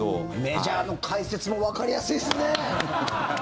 メジャーの解説もわかりやすいですね。